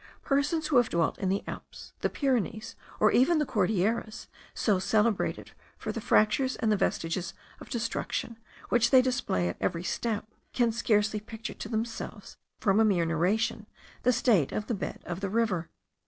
Persons who have dwelt in the Alps, the Pyrenees, or even the Cordilleras, so celebrated for the fractures and the vestiges of destruction which they display at every step, can scarcely picture to themselves, from a mere narration, the state of the bed of the river.